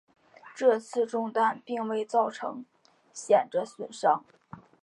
这次中弹并未造成显着损伤。